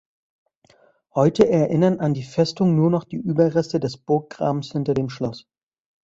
Heute erinnern an die Festung nur noch die Überreste des Burggrabens hinter dem Schloss.